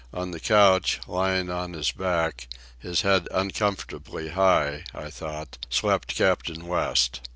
On the couch, lying on his back, his head uncomfortably high, I thought, slept Captain West.